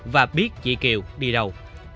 và biết chi kiều đi đâu